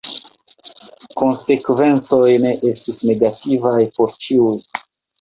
La konsekvencoj ne estis negativaj por ĉiuj.